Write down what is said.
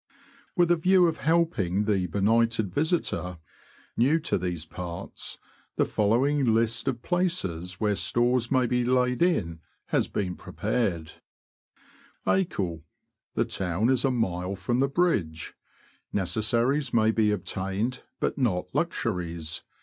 With a view of helping the benighted visitor, new to these parts, the following list of places where stores may be laid in, has been prepared :— Acle, — The town is a mile from the bridge. Neces saries may be obtained, but not luxuries.